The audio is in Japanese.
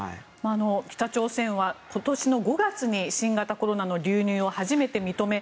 北朝鮮は今年の５月に新型コロナの流入を初めて認め